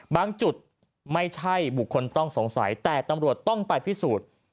จุดไม่ใช่บุคคลต้องสงสัยแต่ตำรวจต้องไปพิสูจน์